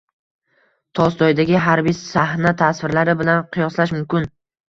Tolstoydagi harbiy sahna tasvirlari bilan qiyoslash mumkin.